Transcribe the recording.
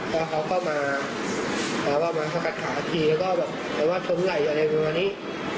แล้วเขาเข้ามาแปลว่ามาสกัดขาทีแล้วก็แบบแปลว่าช้มไหล่อะไรเมื่อวันนี้